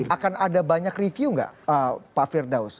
akan ada banyak review nggak pak firdaus